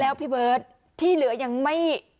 แล้วพี่เบิร์ตที่เหลือยังไม่